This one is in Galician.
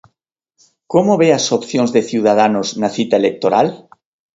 Como ve as opcións de Ciudadanos na cita electoral?